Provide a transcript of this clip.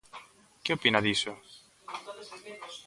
Que opina diso?